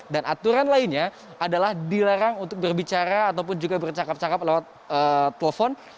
dan aturan lainnya adalah dilerang untuk berbicara ataupun juga bercakap cakap lewat telepon